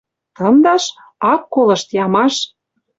Тымдаш? Ак колышт, ямаш!